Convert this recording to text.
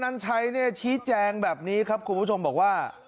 นันชัยเนี่ยชี้แจงแบบนี้ครับคุณผู้ชมบอกว่า